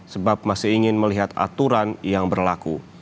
sebab masih ingin melihat aturan yang berlaku